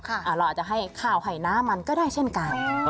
เราอาจจะให้ข้าวให้น้ำมันก็ได้เช่นกัน